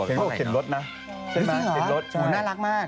เห็นเขาเข็ดรถนะ